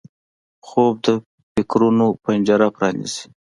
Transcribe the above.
خوب د فکرونو پنجره پرانیزي